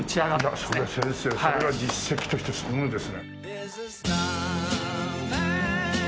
いやそれ先生それは実績としてすごいですね。